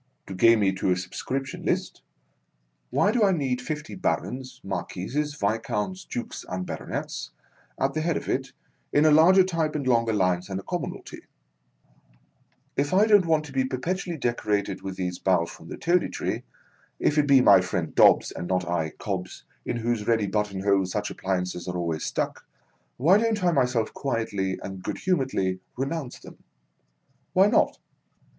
To gain me to a Subscription list, why do I need fifty Barons, Marquises, Viscounts, Dukes, and Baronets, at the head of it, in larger type and longer lines than the commonalty 1 If I don't want to be perpetually decorated with these boughs from the Toady Tree — if it be my friend Dobbs, and not I, Cobbs, in whose ready button hole such appliances are always stuck — why don't I myself quietly and good humouredly renounce them? Why not